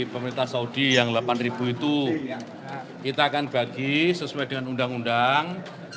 pemerintah saudi yang delapan ribu itu kita akan bagi sesuai dengan undang undang